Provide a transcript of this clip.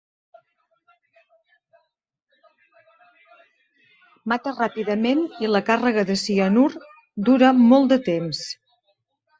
Mata ràpidament i la càrrega de cianur dura molt de temps.